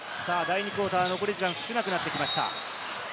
第２クオーター、残り時間少なくなってきました。